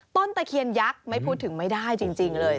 ตะเคียนยักษ์ไม่พูดถึงไม่ได้จริงเลย